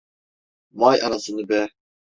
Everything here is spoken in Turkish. Vay anasını be!